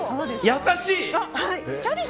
優しい。